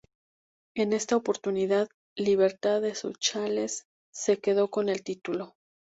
En esta oportunidad, Libertad de Sunchales se quedó con el título.